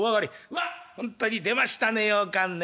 「わっほんとに出ましたねようかんね。